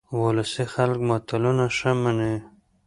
ولسي خلک متلونه ښه مني